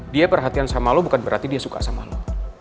dia perhatian sama lo bukan berarti dia suka sama lo